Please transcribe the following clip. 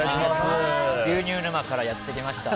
牛乳沼からやってきました